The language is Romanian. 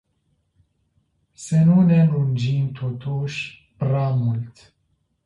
Să nu ne lungim totuși prea mult.